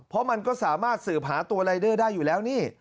เพราะมันก็สามารถสืบหาตัวรายเดอร์ได้อยู่แล้วนี่